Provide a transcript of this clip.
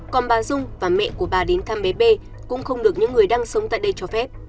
còn bà dung và mẹ của bà đến thăm bé b cũng không được những người đang sống tại đây cho phép